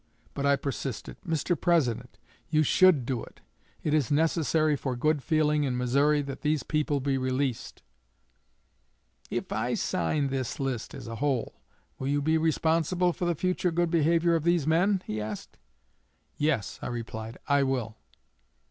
But I persisted. 'Mr. President, you should do it. It is necessary for good feeling in Missouri that these people be released.' 'If I sign this list as a whole, will you be responsible for the future good behavior of these men?' he asked. 'Yes,' I replied, 'I will.'